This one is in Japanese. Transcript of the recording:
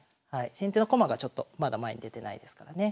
先手の駒がちょっとまだ前に出てないですからね。